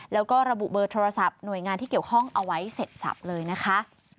แล้วก็ระบุเบอร์โทรศัพท์หน่วยงานที่เกี่ยวข้องเอาไว้เสร็จสับเลยนะคะ